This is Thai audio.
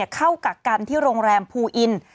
เข้ากับการที่โรงแรมฟูอิน